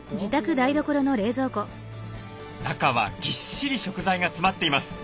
中はぎっしり食材が詰まっています。